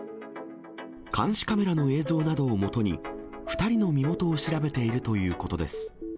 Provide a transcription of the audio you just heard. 監視カメラの映像などを基に、２人の身元を調べているということです。